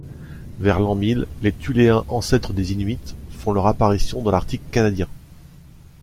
Vers l'an mille, les Thuléens, ancêtres des Inuits, font leur apparition dans l'Arctique canadien.